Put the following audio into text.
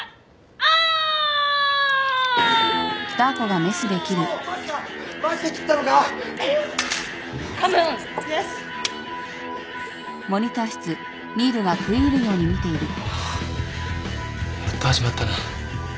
ああやっと始まったな。